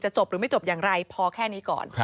จบหรือไม่จบอย่างไรพอแค่นี้ก่อน